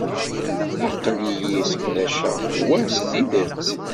Aql-i sseqdaceɣ wa s tidet.